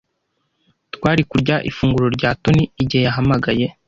Twari kurya ifunguro rya Toni igihe yahamagaye.